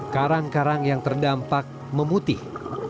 karang karang yang terdampak memutih